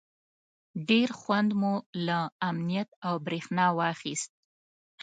ډېر خوند مو له امنیت او برېښنا واخیست.